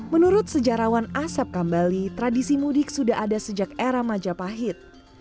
menurut sejarawan asap kambali tradisi mudik sudah ada sejak era majapahit